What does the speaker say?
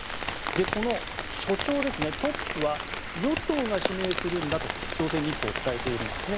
この処長ですねトップは与党が指名するんだと朝鮮日報は伝えているんですね。